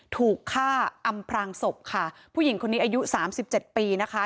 ถูกฆ่าอำพรางศพค่ะผู้หญิงคนนี้อายุสามสิบเจ็ดปีนะคะ